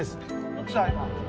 どっちだ今。